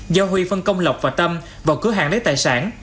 giao huy phân công lọc và tâm vào cửa hàng lấy tài sản